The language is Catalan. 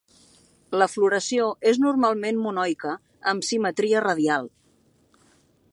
La floració és normalment monoica amb simetria radial.